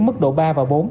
mức độ ba và bốn